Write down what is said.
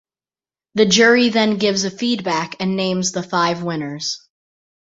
The jury then gives a feedback and names the five winners.